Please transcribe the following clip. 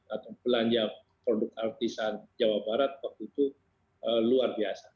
atau belanja produk artisan jawa barat waktu itu luar biasa